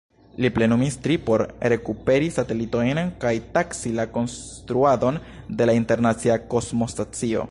Li plenumis tri por rekuperi satelitojn kaj taksi la konstruadon de la Internacia Kosmostacio.